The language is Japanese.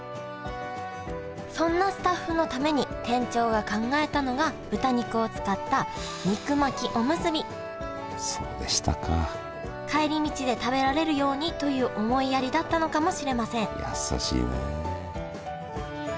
そんなスタッフのために店長が考えたのが豚肉を使った肉巻きおむすび帰り道で食べられるようにという思いやりだったのかもしれません優しいね。